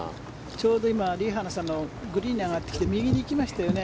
ちょうど今リ・ハナさんのグリーンに上がってきて右に行きましたよね。